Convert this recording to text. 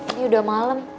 ini udah malem